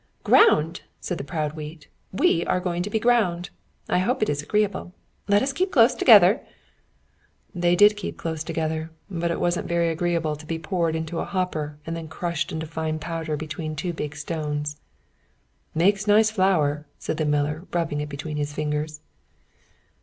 "Ground!" said the proud wheat. "We are going to be ground. I hope it is agreeable. Let us keep close together." They did keep close together, but it wasn't very agreeable to be poured into a hopper and then crushed into fine powder between two big stones. "Makes nice flour," said the miller, rubbing it between his fingers.